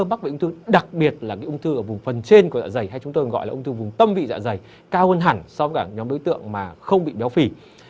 mắc bệnh ung thư đặc biệt là cái ung thư ở vùng phần trên của dạ dày hay chúng tôi gọi là ung thư vùng tâm vị dạ dày cao hơn hẳn so với cả nhóm đối tượng mà không bị béo phì